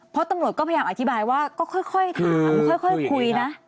เพราะตำรวจก็พยายามอธิบายว่าก็ค่อยถามค่อยคุยนะ